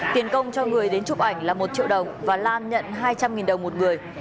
tiền công cho người đến chụp ảnh là một triệu đồng và lan nhận hai trăm linh đồng một người